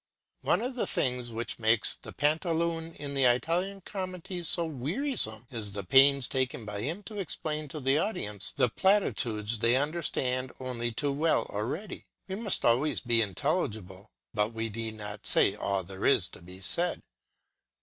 One of the things which makes the Pantaloon in the Italian comedies so wearisome is the pains taken by him to explain to the audience the platitudes they understand only too well already. We must always be intelligible, but we need not say all there is to be said.